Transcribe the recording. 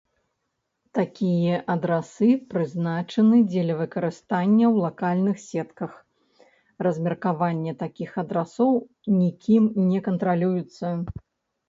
Такія адрасы прызначаны дзеля выкарыстання ў лакальных сетках, размеркаванне такіх адрасоў нікім не кантралюецца.